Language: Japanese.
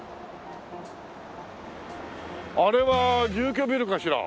あれは住居ビルかしら？